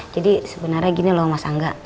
jadi sebenarnya gini loh mas angga